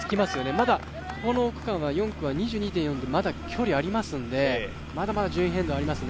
まだ４区は２２．４で距離ありますのでまだまだ順位変動はありますね。